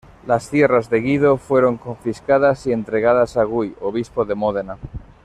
Las tierras de Guido fueron confiscadas y entregadas a Guy, obispo de Módena.